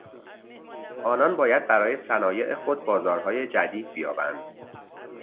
آنان باید برای صنایع خود بازارهای جدید بیابند.